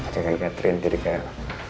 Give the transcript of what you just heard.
ceknya catherine jadi kayak